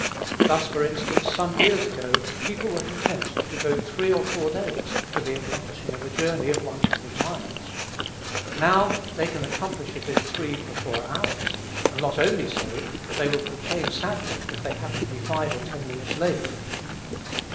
Thus, for instance, some years ago, people were content to devote three or four days to the accomplishing of a journey of one hundred miles; but now they can accomplish it in three or four hours; and not only so, but they will complain sadly if they happen to be five or ten minutes late.